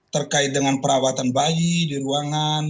terkait dengan perawatan bayi di ruangan